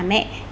cả mẹ cả mẹ